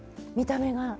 見た目が。